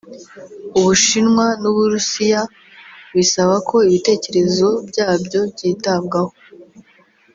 u Bushinwa n’u Burusiya bisaba ko ibitekerezo byabyo byitabwaho